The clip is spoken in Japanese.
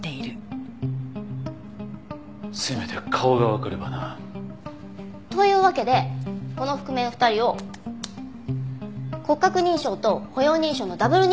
せめて顔がわかればな。というわけでこの覆面２人を骨格認証と歩容認証のダブル認証で追いました。